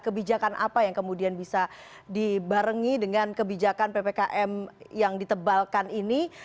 kebijakan apa yang kemudian bisa dibarengi dengan kebijakan ppkm yang ditebalkan ini